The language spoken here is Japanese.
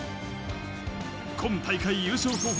今大会、優勝候補